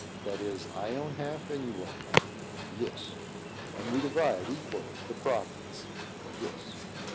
"That is, I own half and you half." "Yes." "And we divide, equally, the profits?" "Yes."